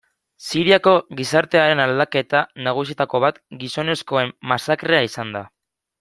Siriako gizartearen aldaketa nagusietako bat gizonezkoen masakrea izan da.